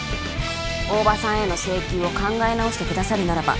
大庭さんへの請求を考え直してくださるならば